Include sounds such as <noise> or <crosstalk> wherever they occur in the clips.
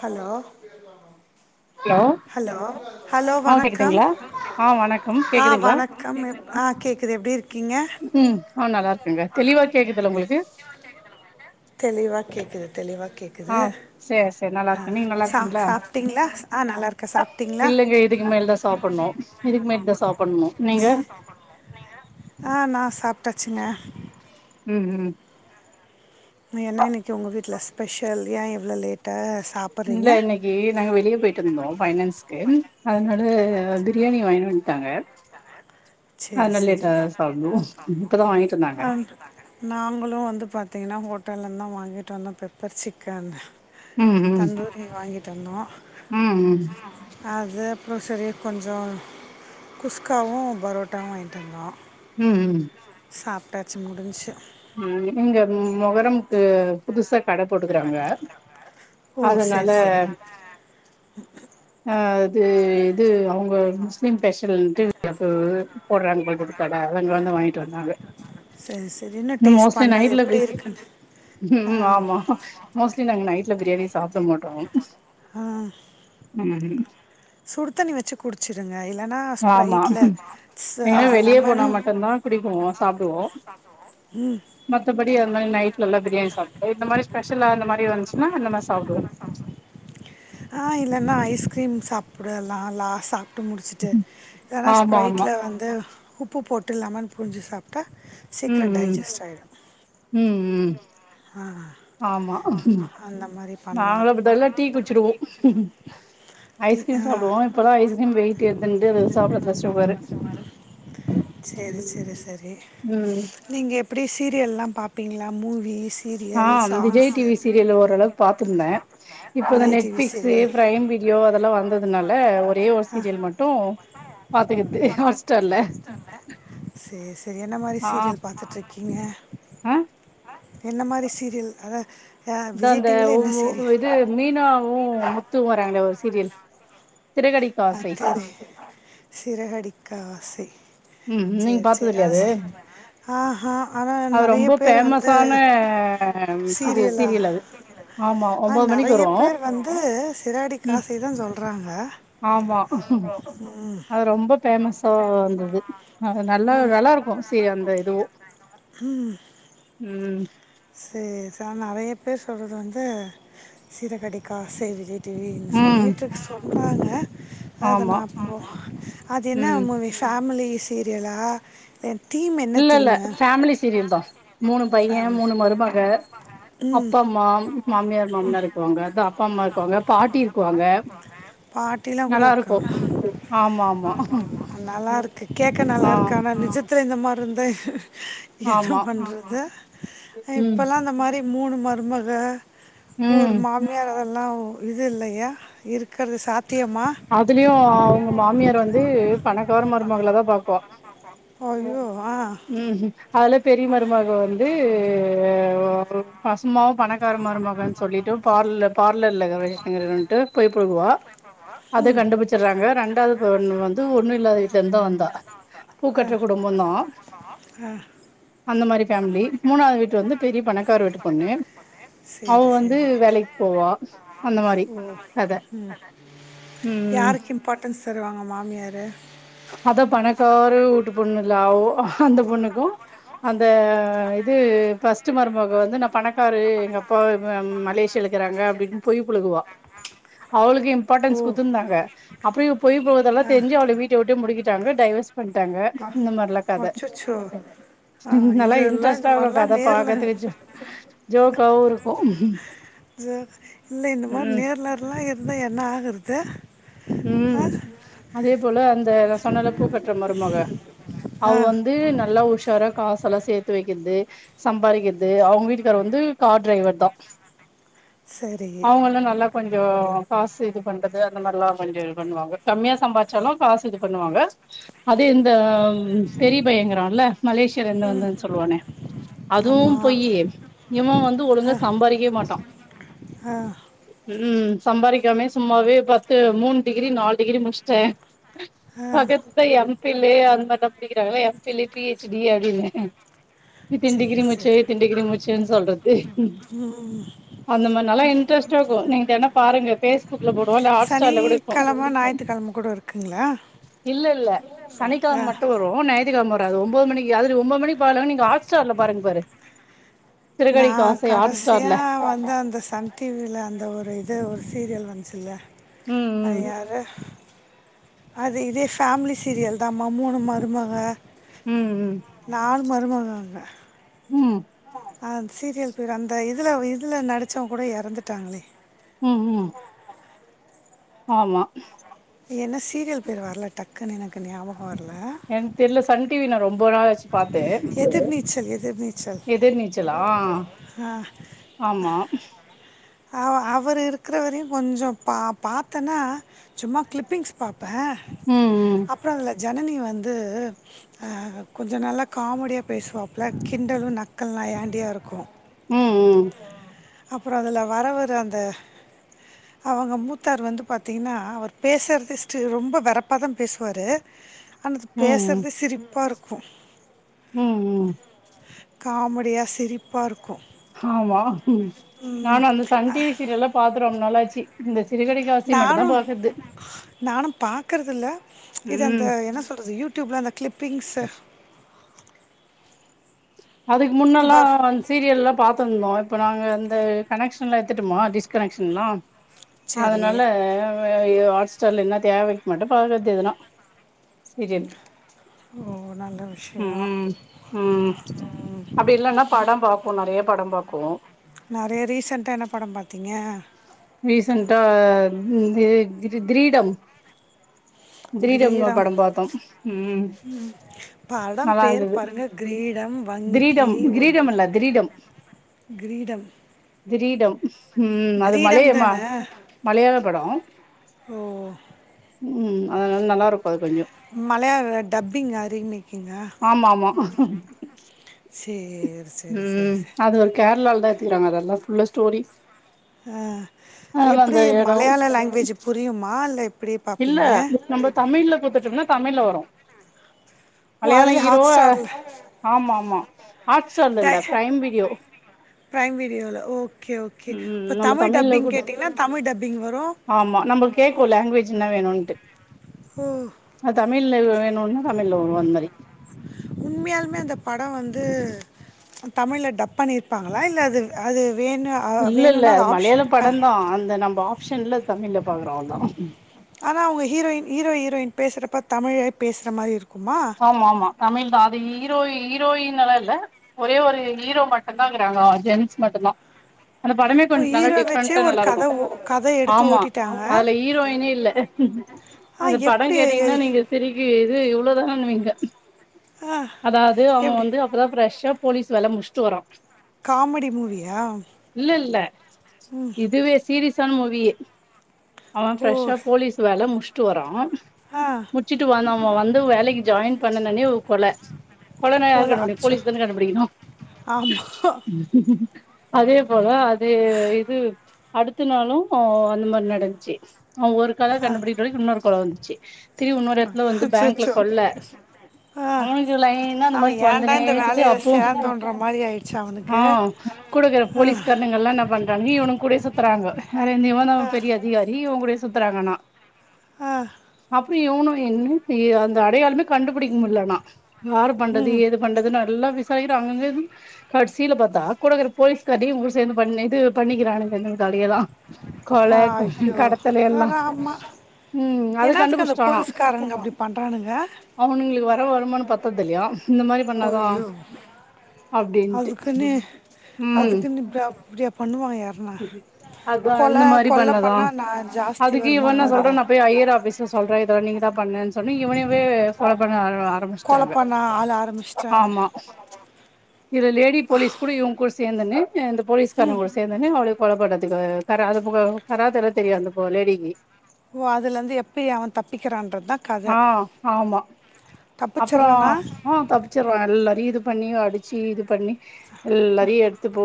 hello hello hello ஆ வணக்கம் கேக்குதுங்களா ஆ வணக்கம் ஆ கேக்குதுங்களா வணக்கம் ஆ கேக்குது எப்டி இருக்கீங்க ம் ஆ நல்லாருக்கங்க தெளிவா கேக்குதுல்ல உங்களுக்கு தெளிவா கேக்குது தெளிவா கேக் ஆ குது சேரி சேரி நல்லா ஆ இருக்கே நீங்க நல்லா சா இருக்கீங்களா சாப்பிட்டீங்களா ஆ நல்லா இருக்க சாப் இல்லங்க இதுக்கு மேலதா சாப்பணு இதுக்கு மேட்டுதா சாப்பணு நீங்க ஆ நா சாப்டாச்சுங்க ம் ம் என்னா இன்னைக்கு உங்க வீட்ல ஸ்பெஷல் ஏ இவ்ளோ லேட் சாப் இல்ல இன்னைக் ஏ நாங்க வெளிய போய்ட்டு வந்தோ பைனான்ஸ்க்கு அதனால பிரியாணி வாங்கிட்டு வன்டாங்க சேரி அதுனால சேரி லேட்டாதா சாப்புடுவோ இப்பதா வாங்கிட்டு வந்தாங்க ஆ நாங்களு வந்து பாத்தீங்கன்னா ஹோட்டல்ல இருந்துதா வாங்கிட்டு வந்தோ பெப்பர் சிக்கன் ம் ம் தந்தூரி வாங்கிட்டு வந்தோ ம் ம் ம் அது அப்ரோ சரி கொஞ்சோ குஸ்காவு பரோட்டாவு வாங்கிட்டு வந்தோ ம் ம் சாப்டாச்சு முடிஞ்ச்சு ம் இங்க மொகரம்க்கு புதுசா கட போட்டுக்கறாங்க ஓ அதனால சரி சரி அ து இது அவங்க முஸ்லீம் ஸ்பேஷல்ன்ட்டு <unintelligible> போடறாங்க போல் இருக்குது கட அவங்க வந்து வாங்கிட்டு வந்தாங்க சேரி சேரி இன்னு டேஸ்ட் மோஸ்ட்லி பண்ணல நைட்ல எப்டி இருக்குன்னு ஆ, ம் ஆமா மோஸ்ட்லி நாங்க நைட்ல பிரியாணி சாப்ட மாட்டோ ஆ ம் சுடு தண்ணி வெச்சு குடிச்சுருங்க இல்லன்னா ஆமா ஸ்பரைட்ல ஸ் லெமனு பிடிக்குவோ சாப்டுவோ ம் மத்தபடி அந்த மாரி நைட்ல எல்லா பிரியாணி சாப்ட்டு இந்த மாரி ஸ்பெஷல்லா அந்த மாரி இருந்துச்சுனா அந்த மாரி சாப்புடுவோ ஆ இல்லன்னா ஐஸ்கிரீம் சாப்டு லாலாசா சாப்ட்டு முடிச்சுட்டு வேணா ஆமா ஆமா ஸ்பிரைட்ல வந்து உப்பு போட்டு லெமன் புழிஞ்சு சாப்ட்டா ம் ம் ம் ம் ஆ ஆமா அந்த மாதிரி நாங்களு பண்ணலாம் அப்டிதா எல்லா டீ குடிச்சிடுவோ டி ஐஸ்கிரீம் ஆ சாப்டுவோ இப்பதா ஐஸ் கிரீம் வெயிட் எறுதுன்ட்டு அது சாப்பறதில்ல சுகர்ரு சேரி சேரி செரி ம் நீங்க எப்டி சீரியல்லா பாப்பீங்களா மூவிஸ் ஆ விஜய் டீ வி சீரியல் ஓரளவு பாத்துருந்த இப்போ அந்த Vijay TV Netflix serial Prime video அதெல்லா வந்ததுனால ஒரே ஒரு சீரியல் மட்டு பாத்துக்கறது ஹாட் ஸ்டார்ல்ல சேரி சேரி என்ன மாரி சீரியல் பாத்துட்ருக்கீங்க ஆ என்ன மாரி சீரியல் அத அதா இந்த ஒம்மோ இது மீனாவு முத்துவு வராங்களே ஒரு சீரியல் சிறகடிக் ஆ தெரி சிறகடிக்க ஆசை ம் நீங்க சேரி பாத்தது சேரி இல்லையா அது ஆ ஹ ஆனா அது நெறைய ரொம்ப பேர் வந்து பேமஸான இது சீரியல்லா சீரியல் அது ஆமா ஆ ஒன்பது மணிக்கு நெறைய வரு பேர் வந்து சிறகடிக்க ம் ஆசைதா சொல்றாங்க ஆமா அது ரொம்ப ஃபேம்மஸா வந்தது அது நல்லா வெல இருக்கு சி அந்த இதுவு ம் சேரி சே நெறைய பேர் சொல்றது வந்து சிறகடிக்க ஆசை விஜய் டே ம் சொல்லிட்டு சொல் அது நா ஆமா போ அது என்ன ம் மூவி ஃபேமிலி சீரியலா தீம் என்ன இல்ல இல்ல தீமு ஃபேமிலி சீரியல் தா மூணு பைய ஃபேமிலி மூணு மருமக அப்பா அம்மா மாமியார் மாமனார் இருக்குவாங்க தோ அப்பா அம்மா இருக்குவாங்க பாட்டி இருக்குவாங்க பாட்டிலாம் கூட நல்லாருக்கு இருக்காங்க ஆமா ஆமா நல்லா இருக்கு கேட்க நல்லா ஆ இருக்கு ஆனா நிஜத் துல இந்த மாரி இருந்தா என்ன ஆமா பண்றது ம் இப்பெல்லா இந்த மாரி மூணு மருமக ஒரு ம் மாமியார் அதெல் ல்லா இது இல்லயா இருக்கறது சாத்தியமா அதுலயு அவுங்க மாமியார் வந்து பணக்கார மருமகளத பாப்பா ஐயோ ஆ ம் ஹ் அதுல பெரிய மருமக வந்து பாசமாவு பணக்கார மருமகன்னு சொல்லிட்டு பார்லர் பார்லர்ல வேலசெய்றேண்டு பொய் புழுகுவா அத கண்டுபிச்சறாங்க ரெண்டாவது பொண்ணு வந்து ஒன்னு இல்லாத வீட்ல இருந்து தா வந்தா பூக்கற்ற குடும்பம்தா ம் அந்த மாரி ஃபேமிலி மூணாது வீட்டு வந்து பெரிய பணக்கார வீட்டு பொண்ணு அவ சரி வந்து சரி வேலைக்கி போவா அந்த மாரி கத ம் ம் யாருக்கு இம்பார்ட்டன்ஸ் தருவாங்க மாமியாரு அதா பணக்கார ஊட்டு பொண்ணுல்ல அவோ அந்த பொண்ணுக்கு அந்த இது ஃபர்ஸ்டு மருமக வந்து நா பணக்காரு எங்க அப்பா அ மலேசியால இருக்காங்க அப்டின்னு பொய் புழுகுவா அவளுக்கு ஓ இம்பார்ட்டன்ஸ் குத்துந்தாங்க அப்டியே இவ பொய் புழுவரதெல்லா ஆ தெரிஞ்சு அவள வீட் ட்டா விட்டே முடிக்கிட்டாங்க டைவர்ஸ் பண்ட்டாங்க இந்த மாரிலா கத அச்சோ ஆ நல்லா இதெல்லாம் இந்த இன்ட்ரெஸ்ட்டா இருக்கு மாதிரிலாம் கத நேரில் பாக்கதுக்கு ஜோக்காவு இருக்கு ஜ இல்ல இந்த மாரி ம் நேர்லர்லா இருந்தா என்ன ஆகுறது ம் ஆ அதே போல அந்த நா சொன்னேல பூக்கட்டற மருமக அவ ஆ வந்து நல்லா உஷாராக் காசல்லா சேத்து வைக்கிறது சம்பாரிக்கிறது அவுங்க வீட்டுக்கார் வந்து கார் டிரைவர் தா சரி அவுங்கல்லா நல்லா கொஞ்சோ காசு இது பண்றது அந்த மாரிலா கொஞ்ச பண்ணுவாங்க கம்மியா சம்பாச்சாலு காசு இது பண்ணுவாங்க அதே இந்த பெரிய பைய இருக்கரன்ல்ல மலேசியல இருந்து வந்துன்னு சொல்லுவானே அதுவும் ஆமாம் பொய்யி இவ வந்து ஆ ஒழுங்க சம்பாரிக்கவே மாட்டா ஆ ம் சம்பாரிக்காமே சும்மாவே பத்து மூணு டிகிரி நாலு டிகிரி முடிச்ட்டே ஆ பக்கத்து எம் பில்லு அந்த மாரி படிக்கிறாங்கள எம் பில் பிஹச் டி அப்டின்னு இத்தன சரி டிகிரி சரி முடிச்சு இத்தன டிகிரி முடிச்சுன்னு சொல்றது ம்ம்ம் அந்த மாரி நல்ல இன்ட்ரெஸ்ட் இருக்கு நீங்க தெனம் பாருங்க பேஸ்புக்ல போடுவா இல்ல ஹாட் ஸ்டார்ல கூட இர்க்கு சனிக்கிழமை ஞாயிற்றுக்கிழமை கூட இருக்குங்களா இல்ல ல்ல சனிக்கெழம ஆ மட்டு இப்போ ஞாயத்திக்கெழம வராது ஒம்போது மணிக்கு ஒம்போது மணிக்கு பார் ல நீங்க ஹாட்ஸ்டார்ல பாருங் பாரு நா சிறகடிக்க ஆசை ஹாட் கடசியா ஸ்டார்ல வந்து அந்த சன் டிவில அந்த ஒரு இது ஒரு சீரியல் வஞ்சுல அது ம் யாரு அது இதே ஃபேமிலி சீரியல் தாமா மூனு மருமக ம் ம் நால் மருமகங்க ம் அந் சீரியல் பேர் அந்த இதுல இதுல நடிச்சவங் கூட எறந்துட்டாங்களே ம் ம் ஆமா என்ன சீரியல் பேரு வர்ல டக்குன்னு எனக்கு ஞாபக வரல எனக்கு தெரில சன் டிவி ந ரொம்ப நாளாச்சு பாத்தே எதிர்நீச்சல் எதிர்நீச்சல் எதிர் நீச்சலா ஆமா ஆ அவ அவர் இருக்கிறவரையு கொஞ்சொ பா பாத்தனா சும்மா கிளிப்பிங்ஸ் பாப்பே ம் ம் அப்ற அதுல ஜனனி வந்து கொஞ்ச நல்லா காமெடியா பேசுவாப்பல கிண்டலு நக்கல் நய்யாண்டியா இருக்கு ம் ம் அப்பற அதுல வரவரு அந்த அவங்க மூத்தார் வந்து பாத்தீங்கன்னா அவர் பேசுறதே ஸ்ட் ரொம்ப வெரப்பா தா பேசுவாரு ஆனா அது ம் பேசுறதே சிரிப்பா இருக்கு ம்ம் காமெடியா சிரிப்பா ர்க்கும் ஆமா நானு அந்த சன் டிவி சீரியல்லா பாத்து ரொம்ப நாளுச்சு இந்த சிறுகதை காசி மட்டுதா பாக்கற்து நானும்பா க்கிறதில்ல இது அந்த ம் என்ன சொல்றது யூடூப்ல அந்த கிளிப்பிங்ஸ்ஸு அதுக்கு முன்னல்லா வரும் சீரியல்லா பாத்துருந்தோ இப்போ நாங்க இந்த கனெக்ஷன்லா எடுத்துட்டொமா டிஸ்கனெக்ஷன்லா சரி அதனால ஹாட்ஸ்டார்ல என்ன தேவைக் மட்டு பாக்றது எதுனா சீரியல் ஓ நல்லது உம் உம் உம் அப்படி இல்லன்னா படம் பாக்கு நெறைய படம் பாக்கூ நெறைய ரீசன்டா என்ன படம் பாத்தீங்க ரீசென்டா இது க்ரீடம் க்ரீடம் படம் பாத்தோ ம் ம் படம் நல்லா பேர் இருந்தது பாருங்க க்ரீடம் வங்கி திரீடம் ஒ கிரீடம் இல்ல க்ரீடம் க்ரீடம் உம் அது மலையமா தானே மலையாள படோ ஓ ம் அதனால நல்லா இருக்கு அது கொஞ்சோ மலையாள டப்பிங்கு ரீமேக்கிங்க ஆமா ஆமா சேர் ம் அது ஒரு கேரளாலதா எத்துகிறாங்க அதெல்லா ஃபுல்லா ஸ்டோரி ஆ அதனால எப்டி அந்த எடோ மலையாள லாங்குவேஜ் புரியுமா இல்ல எப்டி பாப்பீங்க நம்ப தமிழ்ல குடுத்துட்டோம்னா தமிழ்ல வரு ஓ மலையாள அதுலயே ஹீரோ ஹாட் ஸ்டார்ல ஆமா ஆமா ஹாட்ச் இல்லல்ல ப்ரைம் வீடியோ ப்ரைம் வீடியோல ஓகே ஓகே ம் இப்போ நம்ம தமிழ் தமிழ்ல டப்பிங் குடுத் கேட்டிங்னா தமிழ் டப்பிங் வரு ஆமா நம்ள கேக்கு லாங்குவேஜ் என்ன வேணுன்ட்டு ஓ அ தமிழ்ல வேணுனா தமிழ்ல வரு அந்த மாரி உண்மையாலுமே அந்த படோ வந்து தமிழ்ல டப் பண்ணிருப்பாங்களா இல்ல அது அது வேணு இல்லல்ல அது மலையாள படந்தாஔஔ அந்த நம்ப ஆப்ஷன்ல தமிழ்ல பாக்குறோ அவுள்தா ஆனா அவுங்க ஹீரோயின் ஹீரோ ஹீரோயின் பேசுறப்ப தமிழே பேசுற மாரி இருக்குமா ஆமா ஆமா தமிழ் தா அது ஹீரோ ஹீரோயினலா இல்ல ஒரே ஒரு ஹீரோ மட்டு தா இக்கிறாங்க ஜென்ஸ் மட்டு தா அந்த படமே ஓ கொஞ்ச நல்லா ஹீரோ வச்சே டிஃப்ரெண்டா ஒரு நல்லா கத இருக்கு ஓ கத எடுத்து ஆமா ஓட்டிட்டாங்க அதுல ஹீரோயினே இல்ல ஆ அந்த படோ எப்டி கேட்டீங்கன்னா நீங்க பெரிக்கு இது இவ்ளோதானனுவீங்க ஆ அதாவது அவ எப்டி வந்து இப்பதா ஃப்ரெஷா போலீஸ் வேல முடிச்ட்டு வரா காமெடி மூவியா இல்ல இல்ல இதுவே சீரிஸ் ஸானா மூவி அவன் ஓ ஃப்ரெஷா போலீஸ் வேல முடிச்ட்டு வரா ஆ முச்சிட்டு வந்தா அவன் வந்து வேலைக் ஜாயின் பண்னுணணே ஒரு கொல கொலனா யாரு கண்டுபுடிக்கணு போலீஸ் தான கண்டுபுடிக்கணு ஆமா அதே போல அது இது அடுத்த நாளு அந்த மாரி நடந்ச்சு அ ஒரு கொல கண்டுபுடிக்குள்ள இன்னொரு கொல வந்துச்சு திரி உன்னோர் இடத்துல வந்து அச்சோ பேங்க்ல அச்சோ கொல்ல ஆ அவுனுக்கு லைனா இந்த மாரி அவன் ஏன்டா இந்த தொடந்துனேக்குது வேலையில் அப்போ சேர்ந்தோன்ற மாதிரி ஆயிடுச்சு ஆ அவனுக்கு கூடக்குற ஆ, போலீஸ் காரணங்கலா என்ன பண்றாங்க இவன் கூடயே சுத்றாங்க இவன் தா ஆ, பெரிய அதிகாரி இவங்கூடையே சுத்துறாங்க ஆனா ஆ, அப்றோ இவுனு என்ன இது அடையாளமே கண்டுபுடிக்க முல்லனா யாரு பண்றது ம் ஏது பண்றதுன் எல்லா விசாரிக்கிற அங்கங்க கடசில பார்த்தா கூடக்குற போலீஸ்காரியு இவுங்களு சேர்ந்து பன்னிட் இது பண்ணிக்கிறானுங்க இந் கதையெல்லா அய்யோ எல்லா ராமா ம் அத என்னாத்துக்கு அந்த போலீஸ்காரனுங்க அப்டி பண்றானுங்க அவுனுங்களுக்கு வர வருமானு பத்தது இல்லையா இந்த மாரி பண்ணாதா ஐயோ அப்டின்ட்டு அதுக்குன்னு ம் அதுக்குன்னு இப்டியா இப்டியா பண்ணுவாயா அதா இந்த மாரி பண்ணதா பண்ணால் நான் ஜாஸ்தி அதுக்கு இவன் வருமானம் என்னா சொல்றா வருதா நா போய் ஹையர் ஆஃபிஸ் சொல்ற இதலா நீங்க தா பண்ணன் சொன்ன இவனவே ஃபாலோ பண்ண வருவா கொலை ஆரம்பிச்சிட்டாங்க பண்ண ஆள் ஆரம்பிச்சிட்டாங்க ஆமா இதுல லேடி போலீஸ் கூட இவுங் கூட சேர்ந்துன்னு இந்த போலீஸ்காரன் கூட சேர்ந்து என அவள கொலப் பன்றதுக்கு தரா அது புக தராதரோ தெரியு அந்தப்போ லேடிக்கு ஓ அதுல இந்து எப்டி அவன் தப்பிக்கிறான்றதா கத ஆ ஆமா அப்றோ தப்பிச்சிட்றானா ஆ தப் பிச்சிருவா எல்லாரையு இது பண்ணி அடிச்சு இது பண்ணி எல்லாரையு எத் த்துப்போ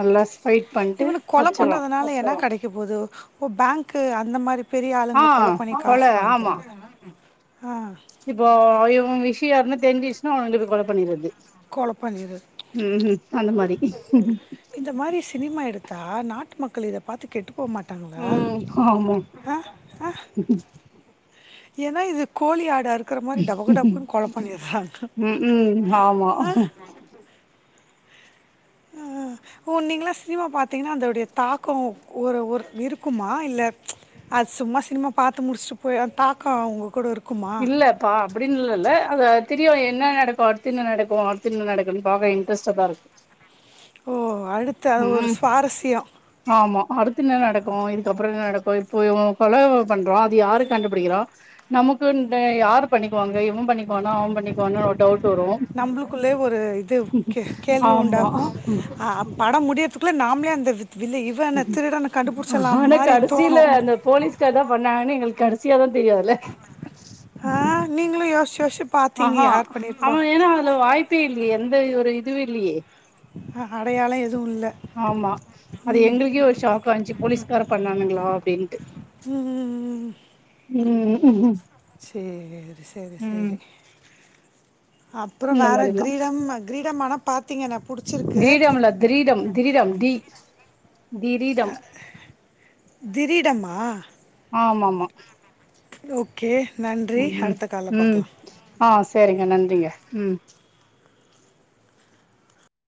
நல்லா ஸ்பைட் இவுனுக் கொல பண்றதுனால என்ன கெடைக்க போது ஒரு பேங்க்கு அந்த மாரி பெரிய ஆ ஆளுங்கள கொல பண்ணி காசு வாங்கிக்கிறானா ஆ இப்போ இவுங்க விஷ்யோ யாருக்னா தெரிஞ்சுசுன்னா அவங்க இது கொல பண்ணிர்றது கொலை பண்ணிடு ம் ம் அந்த மாரி இந்த மாரி சினிமா எடுத்தா நாட்டு மக்கள் இத பாத்து கெட்டுப் போ மாட்டாங்ளா ம் ஆமா ஆ <unintelligible> ஏனா இது கோழி ஆட க்கற மாரி டபுக்கு டபுக்குன்னு கொல பண்ணிர்றாங்க ம் ம் ஆமா ஓ நீங்களா சினிமா பாத்தீங்கன்னா அதோடைய தாக்கம் ஒர் ஒரு இருக்குமா இல்ல அது சும்மா சினிமா பாத்து முடிச்சுட்டு போய் தாக்கோ அவங்க கூட இருக் இல்ல ப்பா அப்டின்ல இல்ல அது தெரியு என்ன நடக்கு அடுத்து என்ன நடக்கு அடுத்து என்ன நடக்குனு பாக்க இன்ட்ரெஸ்ட்டாதா இருக்கு ஓ அடுத்து அது ஒரு ம் சுவாரசியோ ஆமா அடுத்து என்ன நடக்கு இதுக்கப்றோ என்ன நடக்கு இப்போ இவங்க கொல பண்றோ அது யாரு கண்டுபிடிக்கிறா நமக்குன் ட யார் பண்ணிக்குவாங்க இவே பண்ணிக்குவானா அவே பண்ணிக்குவானா ஒரு டவுட் வரு நம்புளுக்குள்ளே ஒரு இது கே கேள்வி ஆமா உண்டாக்குஅ படம் முடியத்து ட்ல நாம்லே அந்த வித் வில்ல இவன திருடன கண்டுபுடிச்சிர்லாமாரி தோணு அக்காதா பண்ணாங்கன்னு எங்குளுக்கு கடைசியாதா தெரியு அதுல நீங்களு யோச்சுயோச்சு ஆ ஹா அவ ஏனா அதுல வாய்ப்பே இல்லயே எந்த ஒரு இதுவு இல்லயே அ அடையாலோ எதுவு இல்ல ஆமா அது எங்களுக்கே ஒரு ஷாக் வந்துச்சு போலீஸ்காரன் பண்ணானுங்ளா அப்டின்ட்டு ம் ம் ம் சேரி சேரி ம் சேரி அப்றோ இந்த வேற மாரிலா கிரீடம் கிரீடம் ஆனா பாத்தீங்கன ‌கிரீடம் இல்ல திரீடம் திரீடம் தி திரீடம் கிரீடமா ஆமா ஆமா ஓகே நன்றி ம் அடுத்த கால்ல ம் பாக்கலா ஆ சேரிங்க நன்றிங்க ம்